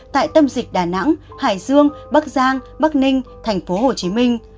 tại tâm dịch đà nẵng hải dương bắc giang bắc ninh thành phố hồ chí minh